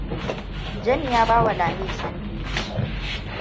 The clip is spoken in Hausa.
Jami ya bawa Lamiam sandwich.